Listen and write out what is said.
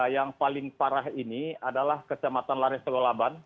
yang paling parah ini adalah kecamatan lareh tegolaban